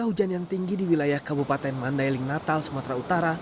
hujan yang tinggi di wilayah kabupaten mandailing natal sumatera utara